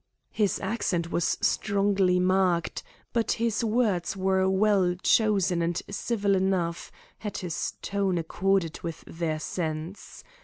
His accent was strongly marked, but his words were well chosen and civil enough, had his tone accorded with their sense.